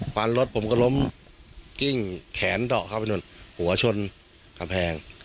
ฟันรถผมก็ล้มกิ้งแขนเดาะเข้าไปนู่นหัวชนกำแพง